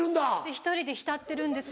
１人で浸ってるんです。